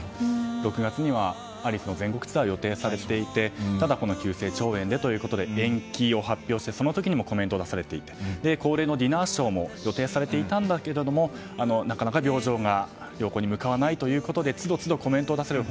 ６月にはアリスの全国ツアーを予定されていて、ただこの急性腸炎でということで延期を発表して、その時にもコメントを出されていて恒例のディナーショーも予定されていたけれどもなかなか病状が良好に向かわないということで都度都度、コメントを出された。